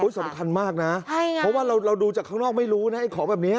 สำคัญมากนะเพราะว่าเราดูจากข้างนอกไม่รู้นะไอ้ของแบบนี้